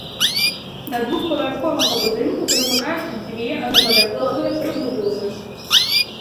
Да двухпавярховага будынку прымыкаюць дзве аднапавярховыя прыбудовы.